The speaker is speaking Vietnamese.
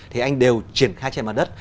thì anh đều triển khai trên mặt đất